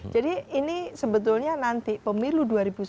jadi ini sebetulnya nanti pemilu dua ribu sembilan belas